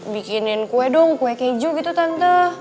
bikinin kue dong kue keju gitu tante